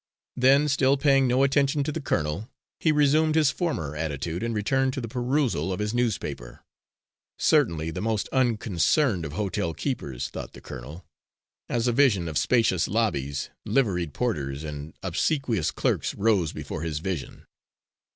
Then, still paying no attention to the colonel, he resumed his former attitude, and returned to the perusal of his newspaper certainly the most unconcerned of hotel keepers, thought the colonel, as a vision of spacious lobbies, liveried porters, and obsequious clerks rose before his vision.